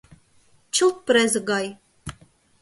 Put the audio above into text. — Чылт презе гай...